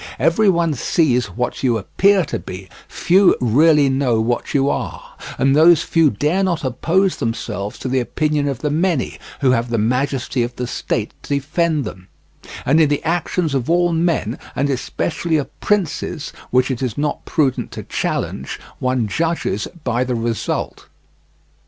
Every one sees what you appear to be, few really know what you are, and those few dare not oppose themselves to the opinion of the many, who have the majesty of the state to defend them; and in the actions of all men, and especially of princes, which it is not prudent to challenge, one judges by the result.